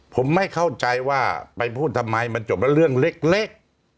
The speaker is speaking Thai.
ผมไม่เข้าใจว่าไปพูดทำไมมันจบแล้วเรื่องเล็ก